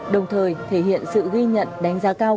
đồng thời thể hiện sự ghi nhận đánh giá cao